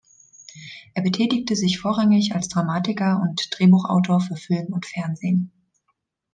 Er betätigte sich vorrangig als Dramatiker und Drehbuchautor für Film und Fernsehen.